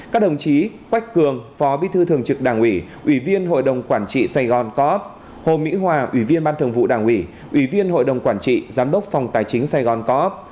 các đồng chí quách cường phó bí thư thường trực đảng ủy ủy viên hội đồng quản trị sài gòn coop hồ mỹ hòa ủy viên ban thường vụ đảng ủy ủy viên hội đồng quản trị giám đốc phòng tài chính sài gòn co op